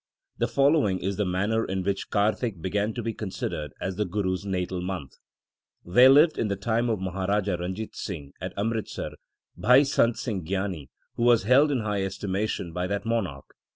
The following is the manner in which Kartik began to be considered as the Guru s natal month : There lived in the time of Maharaja Ran jit Singh, at Amritsar, Bhai Sant Singh Gyani, who was held in high estimation by that monarch.